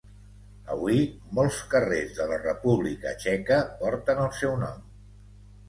Avui, molts carrers de la República Txeca porten el seu nom.